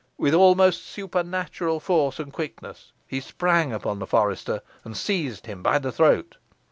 With almost supernatural force and quickness he sprung upon the forester, and seized him by the throat.